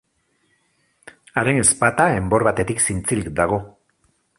Haren ezpata enbor batetik zintzilik dago.